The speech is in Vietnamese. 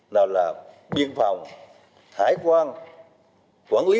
nào là biên phòng hải quan quản lý